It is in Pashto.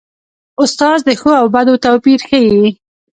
استاد د ښو او بدو توپیر ښيي.